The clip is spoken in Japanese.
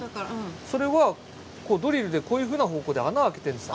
それはドリルでこういうふうな方向で穴開けてるんです